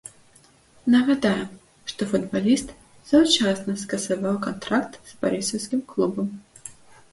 Нагадаем, што футбаліст заўчасна скасаваў кантракт з барысаўскім клубам.